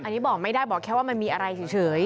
อันนี้บอกไม่ได้บอกแค่ว่ามันมีอะไรเฉย